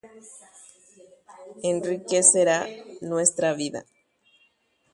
Ombohetia'éta ñande rekove